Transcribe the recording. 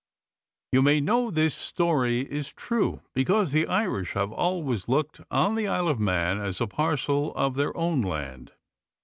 You may know that this story is true because the Irish have always looked on the Isle of Mann as a parcel of their own land.